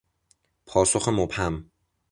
پاسخ مبهم